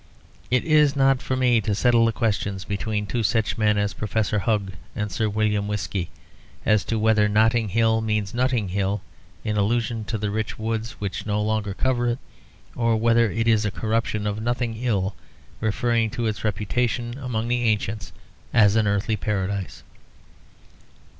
It is not for me to settle the question between two such men as Professor Hugg and Sir William Whisky as to whether Notting Hill means Nutting Hill (in allusion to the rich woods which no longer cover it), or whether it is a corruption of Nothing ill, referring to its reputation among the ancients as an Earthly Paradise.